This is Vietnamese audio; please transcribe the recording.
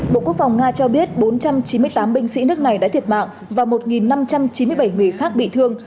bộ quốc phòng nga cho biết bốn trăm chín mươi tám binh sĩ nước này đã thiệt mạng và một năm trăm chín mươi bảy người khác bị thương